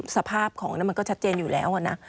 สภาพของนั้นมันก็ชัดเจนอยู่แล้วนะ